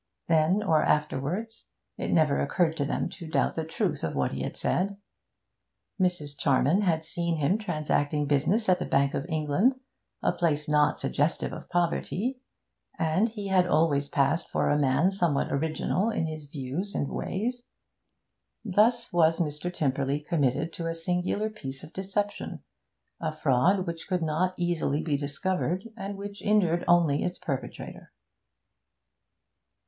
Then or afterwards, it never occurred to them to doubt the truth of what he had said. Mrs. Charman had seen him transacting business at the Bank of England, a place not suggestive of poverty; and he had always passed for a man somewhat original in his views and ways. Thus was Mr. Tymperley committed to a singular piece of deception, a fraud which could not easily be discovered, and which injured only its perpetrator.